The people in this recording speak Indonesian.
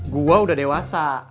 gue udah dewasa